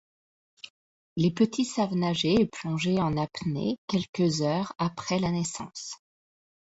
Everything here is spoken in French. Les petits savent nager et plonger en apnée quelques heures après la naissance.